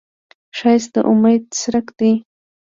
ښایست د امید څرک دی